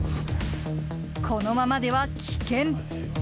このままでは危険！